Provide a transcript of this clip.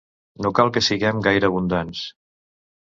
No cal que siguem gaire abundants.